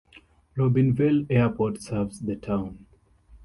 Robinvale Airport serves the town.